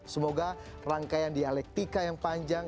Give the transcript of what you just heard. semoga rangkaian dialektika yang panjang